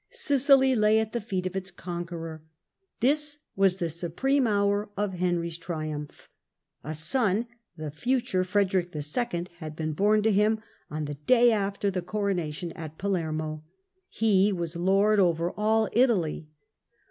Sicily lay at the feet of its conqueror. This was the supreme hour of Henry's triumph. A son, the future Frederick IL, had been born to him on the day after the coronation at Palermo. He was lord over all Italy.